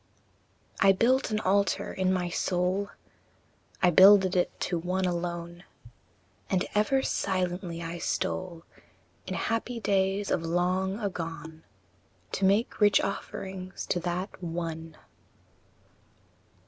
I. I built an altar in my soul, I builded it to one alone; And ever silently I stole, In happy days of long agone, To make rich offerings to that ONE.